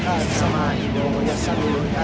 kenapa santai pokok kali ini gagal